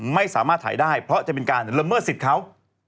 ไม่สามารถถ่ายได้เพราะจะเป็นการละเมิดสิทธิ์เขา